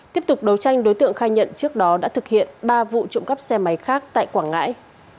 tiếp tục đấu tranh đối tượng khai nhận trước đó đã thực hiện ba vụ trộm cắp xe máy khác tại quảng ngãi